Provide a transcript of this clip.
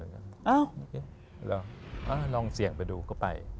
ลองเสี่ยงไปดูก็ไป